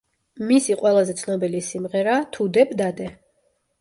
მისი ყველაზე ცნობილი სიმღერაა „თუ დებ, დადე“.